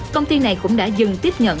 công ty này cũng đã dừng tiếp nhận